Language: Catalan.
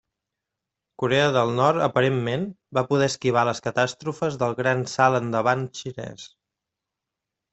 Corea del Nord, aparentment, va poder esquivar les catàstrofes del Gran Salt Endavant xinès.